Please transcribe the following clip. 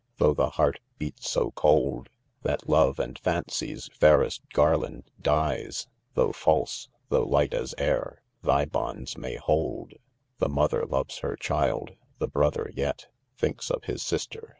Tho 5 the heartbeat so cold, 'That Love and Fancy's fairest garland dies— Tho* false, the" light as air, thy Jbonds "may hold, 'The mother loves her child j — the brother yet Thinks of his sister 3 tho 5 for years.